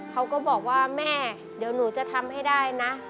เขาก็บอกว่าแม่เดี๋ยวหนูจะทำให้ได้นะ